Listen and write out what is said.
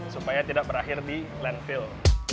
supaya tidak berakhir di landfill